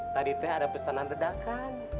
tadi teh ada pesanan ledakan